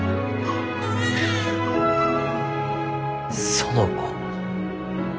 ・園子。